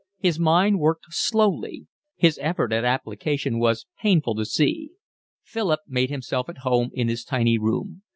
His mind worked slowly. His effort at application was painful to see. Philip made himself at home in his tiny rooms.